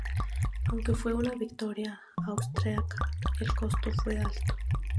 Aunque fue una victoria austriaca, el costo fue alto.